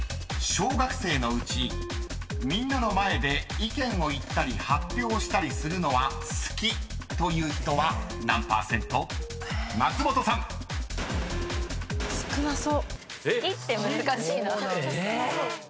［小学生のうちみんなの前で意見を言ったり発表したりするのは好きという人松本さんの予想２８％］